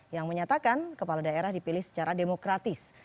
yang menyatakan kepala daerah dipilih secara demokratis